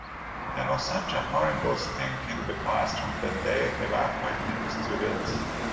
There was such a horrible stink in the classroom that they evacuated the students.